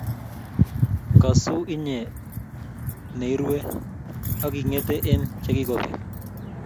Kasu inye ne irue , ak ing'eet eng' che kigobek.